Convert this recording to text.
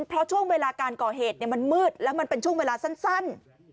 เพราะช่วงเวลาการก่อเหตุมันมืดแล้วมันเป็นช่วงเวลาสั้น